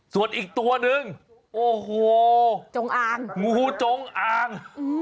ส่วนอีกตัวนึงโอ้โหงูจงอ้าง